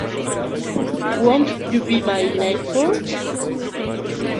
Won't You Be My Neighbor?